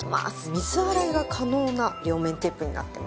水洗いが可能な両面テープになってます。